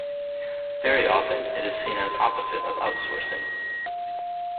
Very often it is seen as opposite of outsourcing.